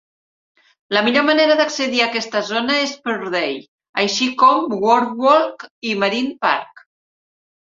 La millor manera d'accedir a aquesta zona és per Day, així com Boardwalk i Marine Park.